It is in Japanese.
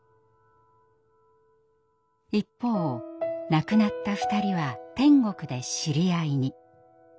一方亡くなった２人は天国で知り合いに。